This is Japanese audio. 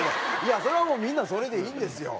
それはもうみんなそれでいいんですよ。